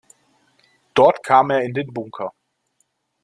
Dort kam er in den „Bunker“.